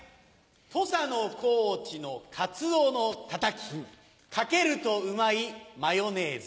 土佐の高知のカツオのたたきかけるとうまいマヨネーズ。